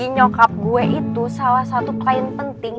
nyokap gue itu salah satu kain penting